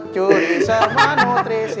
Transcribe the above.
curi serba nutrisi